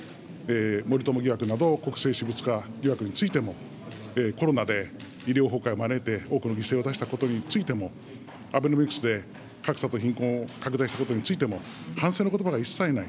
森友疑惑など国政私物化疑惑についても、コロナで医療崩壊を招いて、多くの犠牲を出したことについても、アベノミクスで格差と貧困を拡大したことについても、反省のことばが一切ない。